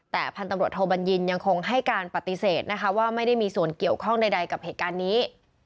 แต่พันธุ์ตำรวจโทบัญญินยังคงให้การปฏิเสธนะคะว่าไม่ได้มีส่วนเกี่ยวข้องใดกับเหตุการณ์นี้